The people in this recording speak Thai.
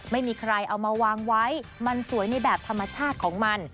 ไม่มีใครเอามาวางไว้มันสวยในแบบธรรมชาติของมัน